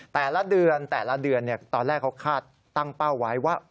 แต่ละเดือนตอนแรกเขาคาดตั้งเป้าไว้ว่า